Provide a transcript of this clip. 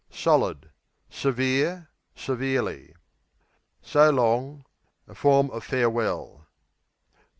Solid Severe; severely. So long A form of farewell.